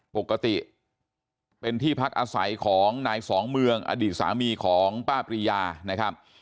ปกติเป็นที่พักอาศัยของนายสองเมืองอดีตสามีของป้าปรียานะครับ